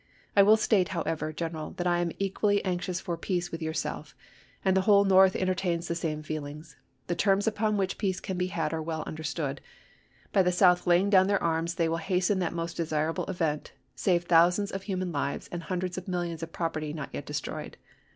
I will state, however, General, that I am equally anxious for peace with yourself, and the whole North entertains the same feeling. The terms upon which peace can be had are well understood. By the South laying down their arms they will hasten that most desirable event, save thousands of human lives and hundreds of millions of property not yet destroyed.